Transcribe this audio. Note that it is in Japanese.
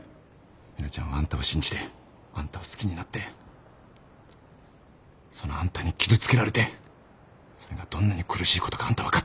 ミナちゃんはあんたを信じてあんたを好きになってそのあんたに傷つけられてそれがどんなに苦しいことかあんた分かってるか！